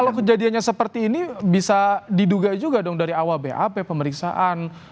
kalau kejadiannya seperti ini bisa diduga juga dong dari awal bap pemeriksaan